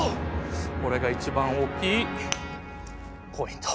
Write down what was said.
これが一番大きいコインと。